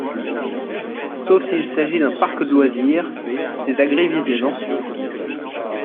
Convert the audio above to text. Sauf s'il s'agit d'un parc de loisirs, ces agrès visent les enfants.